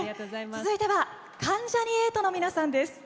続いては関ジャニ∞さんの皆さんです。